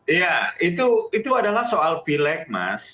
iya itu adalah soal pilek mas